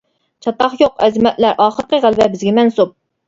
چاتاق يوق ئەزىمەتلەر ئاخىرقى غەلىبە بىزگە مەنسۇپ!